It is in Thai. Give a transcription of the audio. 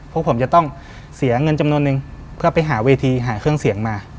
พวกผมจะต้องเสียเงินจำนวนนึงเพื่อไปหาเวทีหาเครื่องเสียงมา